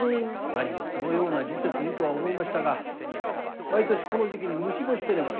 なにもこのような時節にとは思いましたが毎年この時期に虫干しせねばならぬ。